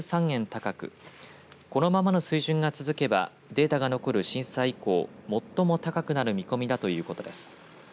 高くこのままの水準が続けばデータが残る震災以降最も高くなる見込みだということです。